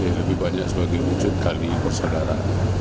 jadi ini lebih banyak sebagai wujud tali persaudara